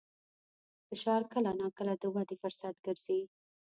فشار کله ناکله د ودې فرصت ګرځي.